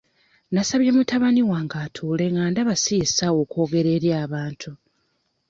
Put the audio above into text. Nasabye mutabani wange atuule nga ndaba si ye ssaawa okwogera eri abantu.